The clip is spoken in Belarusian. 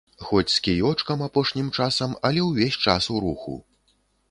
Хоць з кіёчкам апошнім часам, але ўвесь час у руху.